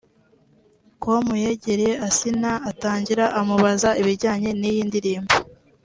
com yegereye Asinah atangira amubaza ibijyanye n’iyi ndirimbo